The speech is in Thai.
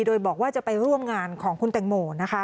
โดยบอกว่าจะไปร่วมงานของคุณแตงโมนะคะ